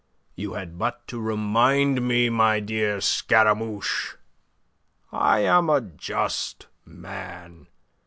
You had but to remind me, my dear Scaramouche. I am a just man.